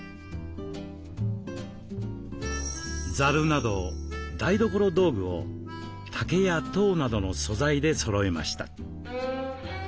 ざるなど台所道具を竹やとうなどの素材でそろえました。